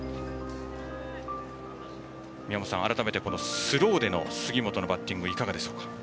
宮本さん、改めてスローでの杉本のバッティングはいかがですか。